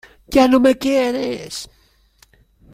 ¡ ya no me quieres!